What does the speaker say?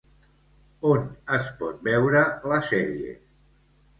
On es pot veure, la sèrie?